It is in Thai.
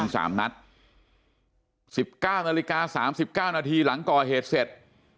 ถึง๓นัด๑๙นาฬิกา๓๙นาทีหลังก่อเหตุเสร็จ